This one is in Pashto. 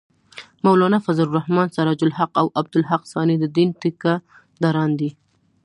مولانا فضل الرحمن ، سراج الحق او عبدالحق ثاني د دین ټېکه داران دي